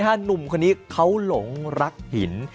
หนุ่มคนนี้เขาหลงรักหิน